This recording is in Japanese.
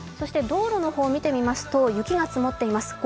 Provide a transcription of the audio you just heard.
道路の方を見てみますと雪が積もっています。